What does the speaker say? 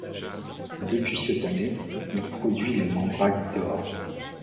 Depuis cette année, il produit les Mandrake d'or.